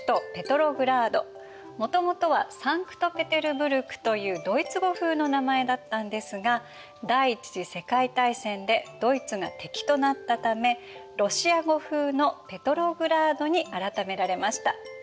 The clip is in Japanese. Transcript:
もともとはサンクト・ペテルブルクというドイツ語風の名前だったんですが第一次世界大戦でドイツが敵となったためロシア語風のペトログラードに改められました。